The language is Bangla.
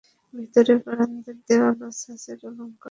ভেতরের বারান্দার দেয়ালও ছাঁচের অলঙ্করণ ও নকশা করা ইট দ্বারা সজ্জিত।